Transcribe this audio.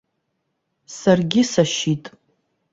Саргьы сашьит.